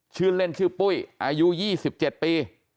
ชื่อเล่นชื่อปุ้ยอายุ๒๗ปี